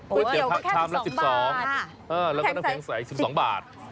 ก๋วยเตี๋ยวก็แค่สิบสองบาทอ่าแล้วก็น้ำแข็งใสสิบสองบาท